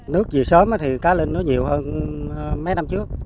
nước về sớm thì cá linh nó nhiều hơn mấy năm trước